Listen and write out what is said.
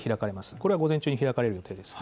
これは午前中に開かれる予定です。